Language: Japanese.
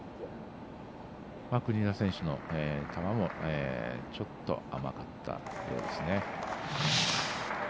国枝選手の球もちょっと甘かったですね。